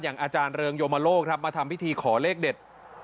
อาจารย์เริงโยมโลกครับมาทำพิธีขอเลขเด็ด